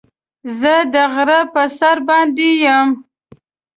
زه د غره په سر باندې يم.